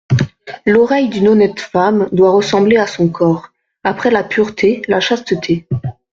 L'oreille d'une honnête femme doit ressembler à son corps ; après la pureté, la chasteté.